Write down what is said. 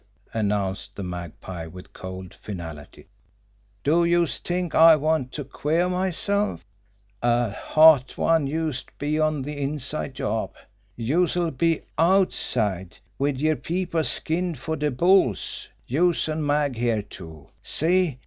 announced the Magpie, with cold finality. "Do youse t'ink I want to queer myself! A hot one youse'd be on an inside job! Youse'll be OUTSIDE, wid yer peepers skinned for de bulls youse an' Mag here, too. See!